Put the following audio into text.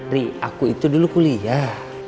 ri aku itu dulu kuliah